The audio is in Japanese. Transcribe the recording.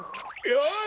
よし！